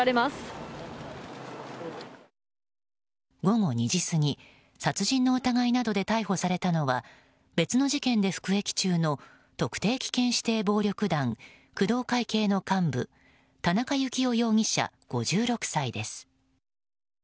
午後２時過ぎ殺人の疑いなどで逮捕されたのは別の事件で服役中の特定危険指定暴力団工藤会系の幹部田中幸雄容疑者、５６歳です。